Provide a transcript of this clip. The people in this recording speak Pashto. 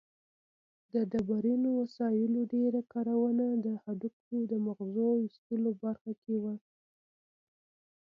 د ډبرینو وسایلو ډېره کارونه د هډوکو د مغزو ایستلو برخه کې وه.